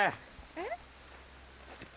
えっ？